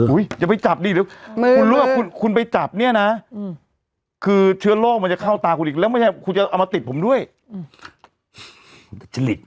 อุ้ยอย่าไปจับดิหรือคุณรู้หรือคุณไปจับเนี้ยน่ะอืมคือเชื้อโรคมันจะเข้าตาคุณอีกแล้วไม่ใช่คุณจะเอามาติดผมด้วยอืมจริง